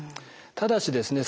ただしですね